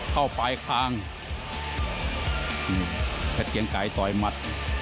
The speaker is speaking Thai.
เข้าฝ่ายคางหื้มเพชรเกียงไกรต่อยมัด